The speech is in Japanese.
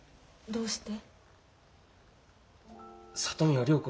どうして？